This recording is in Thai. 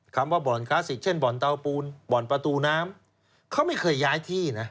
คำว่าบ่อนคลาสสิกเช่นบ่อนเตาปูนบ่อนประตูน้ำเขาไม่เคยย้ายที่นะ